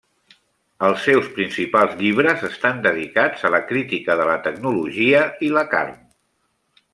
Els seus principals llibres estan dedicats a la crítica de la tecnologia i la carn.